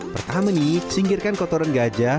pertama nih singkirkan kotoran gajah